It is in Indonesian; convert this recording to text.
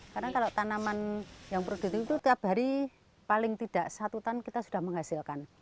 karena kalau tanaman yang produktif itu tiap hari paling tidak satu tan kita sudah menghasilkan